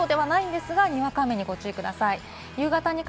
昨日ほどではないんですが、にわか雨にご注意ください。